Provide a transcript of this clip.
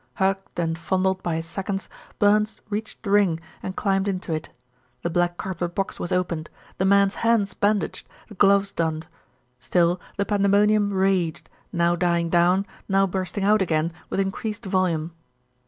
Hugged and fondled by his seconds, Burns reached the ring and climbed into it. The black cardboard box was opened, the men's hands bandaged, the gloves donned. Still the pandemonium raged, now dying down, now bursting out again with increased volume.